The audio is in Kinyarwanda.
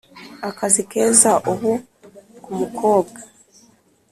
akazi keza ubu ku mukobwa,